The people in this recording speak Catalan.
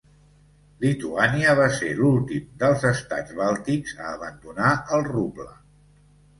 Lituània va ser l'últim dels estats bàltics a abandonar el ruble.